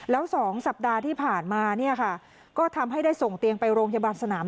แล้ว๒สัปดาห์ที่ผ่านมาเนี่ยค่ะก็ทำให้ได้ส่งเตียงไปโรงพยาบาลสนาม